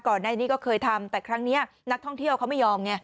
ในนี้ก็เคยทำแต่ครั้งนี้นักท่องเที่ยวเขาไม่ยอมไง